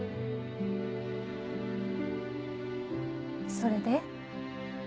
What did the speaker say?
それで？